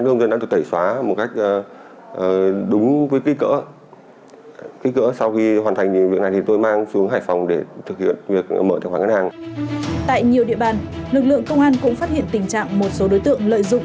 tại nhiều địa bàn lực lượng công an cũng phát hiện tình trạng một số đối tượng lợi dụng